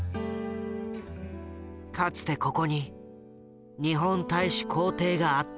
かつてここに日本大使公邸があった。